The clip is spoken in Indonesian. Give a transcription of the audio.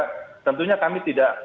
tapi tentunya kami tidak